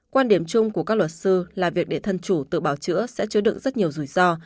quan điểm chung của các luật sư là việc để thân chủ tự bảo chữa sẽ chứa đựng rất nhiều rủi ro